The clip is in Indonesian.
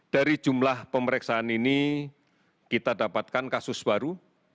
dari jumlah pemeriksaan ini kita dapatkan kasus baru